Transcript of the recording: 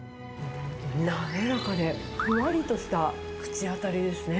滑らかでふわりとした口当たりですね。